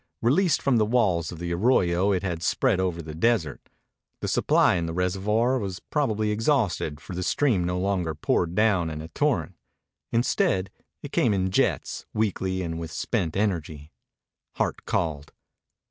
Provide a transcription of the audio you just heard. Released from the walls of the arroyo, it had spread over the desert. The supply in the reservoir was probably exhausted, for the stream no longer poured down in a torrent. Instead, it came in jets, weakly and with spent energy. Hart called.